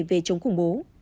về chống khủng bố